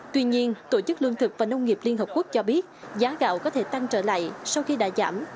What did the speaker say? tuy nhiên tổ chức lương thực và nông nghiệp liên hợp quốc cho biết giá gạo có thể tăng trở lại sau khi đã giảm